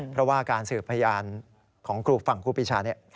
เพราะว่าการสืบพยานของครูฝั่งครูปีชาเนี่ย